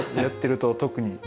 やってると特に。